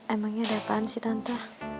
emangnya ada apaan sih tante